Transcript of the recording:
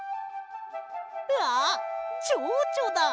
あっチョウチョだ！